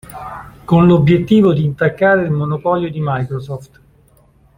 Con l'obiettivo di intaccare il monopolio di Microsoft.